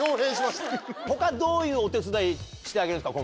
他どういうお手伝いしてあげるんですか？